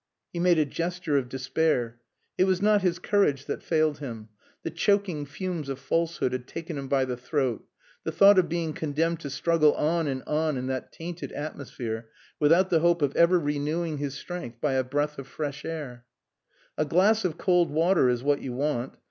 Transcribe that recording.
He made a gesture of despair. It was not his courage that failed him. The choking fumes of falsehood had taken him by the throat the thought of being condemned to struggle on and on in that tainted atmosphere without the hope of ever renewing his strength by a breath of fresh air. "A glass of cold water is what you want."